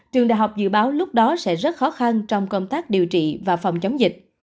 trường đại học dự báo lúc đó sẽ rất khó khăn trong công tác điều trị và phòng chống dịch